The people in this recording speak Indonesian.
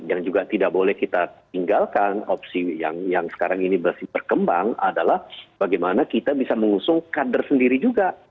yang juga tidak boleh kita tinggalkan opsi yang sekarang ini masih berkembang adalah bagaimana kita bisa mengusung kader sendiri juga